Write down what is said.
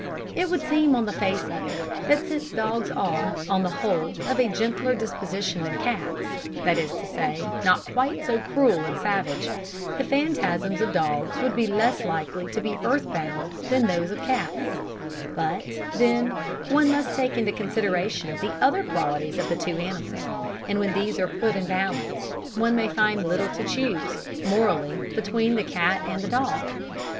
It would seem, on the face of it, that since dogs are, on the whole, of a gentler disposition than cats, that is to say, not quite so cruel and savage, the phantasms of dogs would be less likely to be earth bound than those of cats; but, then, one must take into consideration the other qualities of the two animals, and when these are put in the balance, one may find little to choose morally between the cat and the dog.